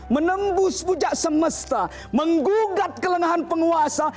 menembus bujak semesta menggugat kelengan penguasa